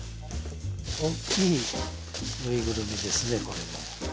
大きいぬいぐるみですねこれ。